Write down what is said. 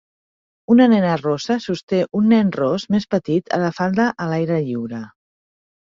Una nena rossa sosté un nen ros més petit a la falda a l'aire lliure.